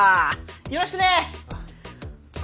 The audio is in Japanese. よろしくね！